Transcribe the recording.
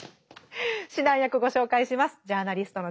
指南役ご紹介します。